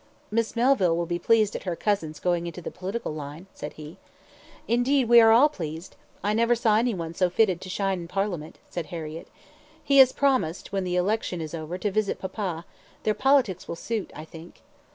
"Miss Melville will be pleased at her cousin's going into the political line," said he. "Indeed, we are all pleased. I never saw any one so fitted to shine in Parliament," said Harriett. "He has promised, when the election is over, to visit papa; their politics will suit, I think."